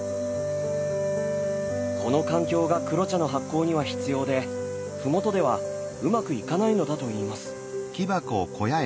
この環境が黒茶の発酵には必要で麓ではうまくいかないのだといいます。